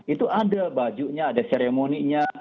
itu ada bajunya ada seremoninya